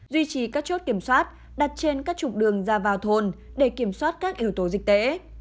duy trì các chốt kiểm soát đặt trên các trục đường ra vào thôn để kiểm soát các yếu tố dịch tễ